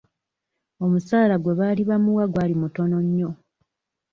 Omusaala gwe baali bamuwa gwali mutono nnyo.